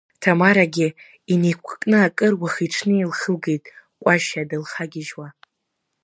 Ҭамарагьы инеиқәкны акыр уахи-ҽни лхылгеит Кәашьа дылхагьежьуа.